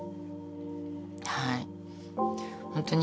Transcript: はい。